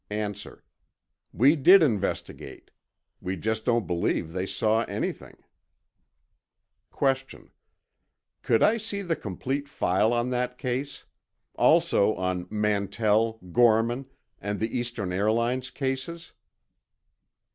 A. We did investigate. We just don't believe they saw anything. Q. Could I see the complete file on that case? Also on Mantell, Gorman, and the Eastern Airlines cases?